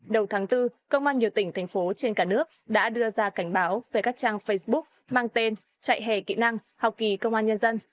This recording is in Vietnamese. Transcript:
đầu tháng bốn công an nhiều tỉnh thành phố trên cả nước đã đưa ra cảnh báo về các trang facebook mang tên trại hè kỹ năng học kỳ công an nhân dân